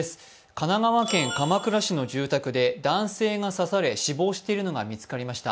神奈川県鎌倉市の住宅で男性が刺され、死亡しているのが見つかりました。